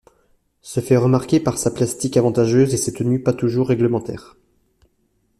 Se fait remarquer par sa plastique avantageuse et ses tenues pas toujours réglementaires.